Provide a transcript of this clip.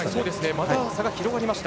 また差が広がりました。